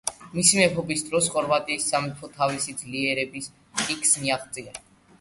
მისი მეფობის დროს ხორვატიის სამეფომ თავისი ძლიერების პიკს მიაღწია.